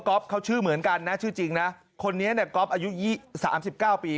เขาชื่อเหมือนกันนะชื่อจริงนะคนนี้เนี่ยก๊อฟอายุ๓๙ปี